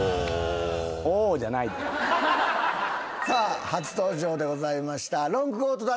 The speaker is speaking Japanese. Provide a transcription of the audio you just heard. さあ初登場でございました。